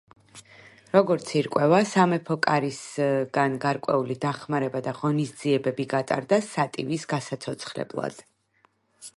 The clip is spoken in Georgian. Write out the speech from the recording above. როგორც ირკვევა სამეფო კარისგან გარკვეული დახმარება და ღონისძიებები გატარდა სატივის გასაცოცხლებლად.